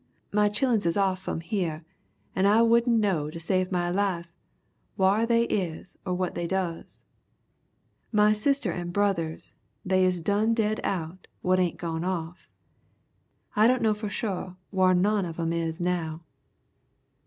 My chilluns is off fum here and I wouldn' know to save my life whar they is or what they does. My sister and brothers they is done dead out what ain't gone off, I don't know for sho' whar none of 'em is now."